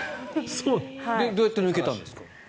どうやって抜けたんですか？